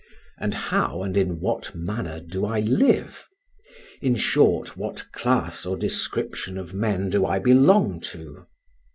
And how and in what manner do I live?—in short, what class or description of men do I belong to?